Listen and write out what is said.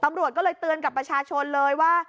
ตำรวจก็เลยเตือนกับประชาชนเลยว่า